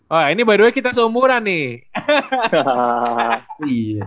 oh ini btw kita seumuran nih